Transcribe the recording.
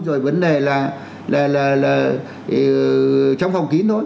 rồi vấn đề là trong phòng kín